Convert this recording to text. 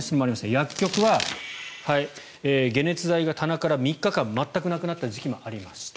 薬局は解熱剤が棚から３日間全くなくなった時期がありました。